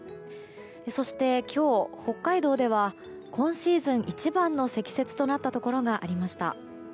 そして、今日北海道では今シーズン一番の積雪となったところがありました。